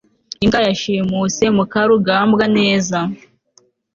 imbwa yashimuse mukarugambwa neza